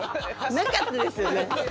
なかったですよね。